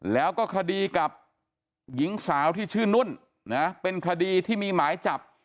แล้วก็คดีกับหญิงสาวที่ชื่อนุ่นนะเป็นคดีที่มีหมายจับ